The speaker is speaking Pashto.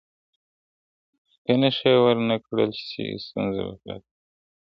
که نښې ور نه کړل سي، ستونزه پاتې کېږي.